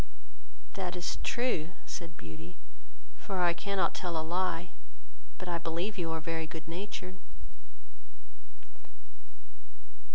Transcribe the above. "That is true, (said Beauty,) for I cannot tell a lie; but I believe you are very good natured."